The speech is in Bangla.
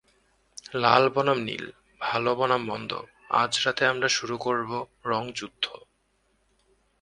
লাল বনাম নীল, ভালো বনাম মন্দ আজ রাতে আমরা শুরু করব রঙ যুদ্ধ!